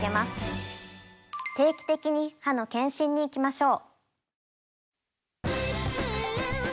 定期的に歯の健診に行きましょう。